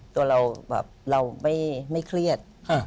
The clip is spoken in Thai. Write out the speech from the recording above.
ตัวเราแบบเราไม่เครียด